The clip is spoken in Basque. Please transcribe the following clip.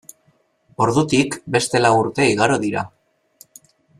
Ordutik beste lau urte igaro dira.